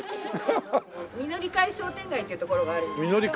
みのり会商店街っていうところがあるんですけど。